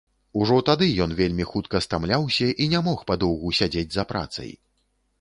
Ужо тады ён вельмі хутка стамляўся і не мог падоўгу сядзець за працай.